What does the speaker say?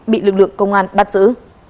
bị lực lượng công an bắt giữ